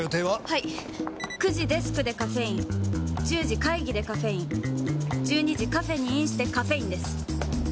はい９時デスクでカフェイン１０時会議でカフェイン１２時カフェにインしてカフェインです！